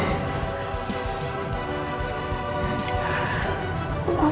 senyapin sama yodcinem itulah apa